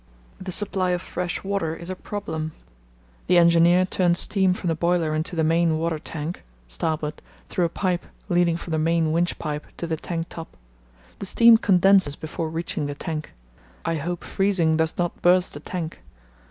The supply of fresh water is a problem. The engineer turned steam from the boiler into the main water tank (starboard) through a pipe leading from the main winch pipe to the tank top. The steam condenses before reaching the tank. I hope freezing does not burst the tank.